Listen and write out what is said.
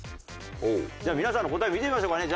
じゃあ皆さんの答え見てみましょうかね。